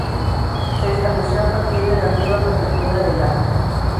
Se estableció a partir de la antigua prefectura de Lac.